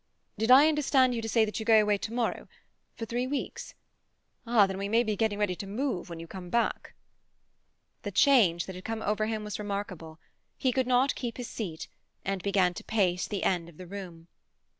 Did I understand you to say that you go away to morrow? For three weeks. Ah, then we may be getting ready to remove when you come back." The change that had come over him was remarkable. He could not keep his seat, and began to pace the end of the room.